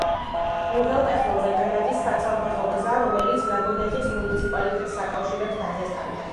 უღელტეხილზე გადადის საცალფეხო გზა, რომელიც ლაგოდეხის მუნიციპალიტეტს აკავშირებს დაღესტანთან.